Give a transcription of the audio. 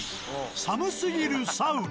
寒すぎるサウナ。